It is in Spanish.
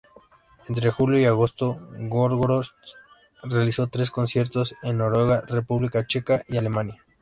Entre julio y agosto, Gorgoroth realizó tres conciertos en Noruega, República Checa y Alemania.